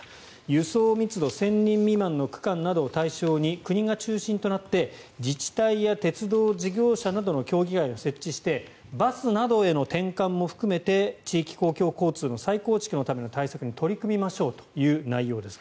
輸送密度１０００人未満の区間などを対象に国が中心となって自治体や鉄道事業者などの協議会を設置してバスなどへの転換も含めて地域公共交通の再構築のための対策に取り組みましょうという内容です。